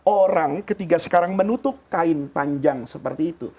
orang ketika sekarang menutup kain panjang seperti itu